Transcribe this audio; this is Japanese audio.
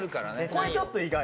これちょっと意外。